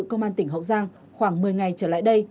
công an tỉnh hậu giang khoảng một mươi ngày trở lại đây